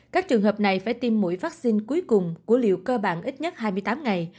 các trường hợp này phải tiêm mũi vaccine cuối cùng của liệu cơ bản ít nhất hai mươi tám ngày